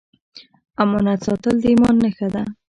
امانت ساتل د ایمان نښه ده